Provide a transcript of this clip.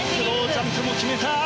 ジャンプも決めた。